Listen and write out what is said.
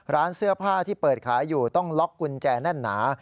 ร้านเสื้อผ้าที่เปิดขายอยู่ต้องล็อกกุญแจแน่นหนา